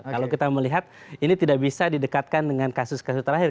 kalau kita melihat ini tidak bisa didekatkan dengan kasus kasus terakhir